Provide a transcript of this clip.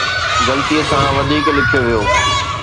غلطيءَ سان وڌيڪ لکيو ويو